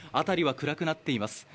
辺りは暗くなっています。